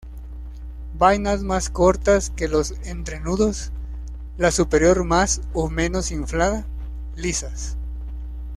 Vainas más cortas que los entrenudos, la superior más o menos inflada, lisas.